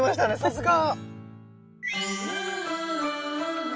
さすが！